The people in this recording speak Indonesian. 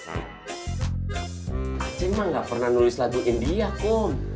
aceng mah gak pernah nulis lagu india kum